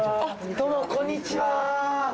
どうもこんにちは。